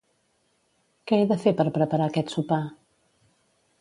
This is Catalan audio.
Què he de fer per preparar aquest sopar?